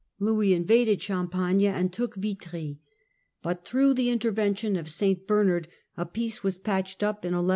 Louis invaded Champagne and took Vitry, but through the intervention of St Bernard a peace was patched up in 1144.